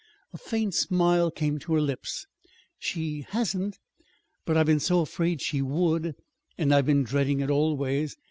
A faint smile came to her lips. "She hasn't; but I've been so afraid she would, and I've been dreading it always.